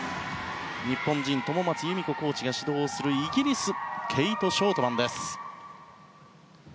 日本人の友松由美子コーチが指導するイギリスケイト・ショートマンです。